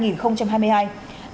trong thời gian quen nhau